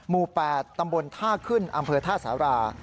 หมู่๘ตำบลท่าขึ้นอำเภอท่าสารา